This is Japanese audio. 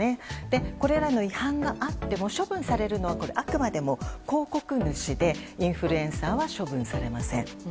これらの違反があっても処分されるのはあくまでも広告主でインフルエンサーは処分されません。